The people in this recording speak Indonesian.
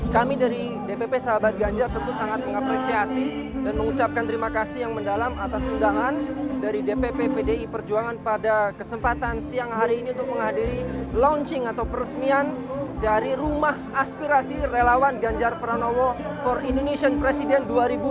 kami dari dpp sahabat ganjar tentu sangat mengapresiasi dan mengucapkan terima kasih yang mendalam atas undangan dari dpp pdi perjuangan pada kesempatan siang hari ini untuk menghadiri launching atau peresmian dari rumah aspirasi relawan ganjar pranowo for indonesian presiden dua ribu dua puluh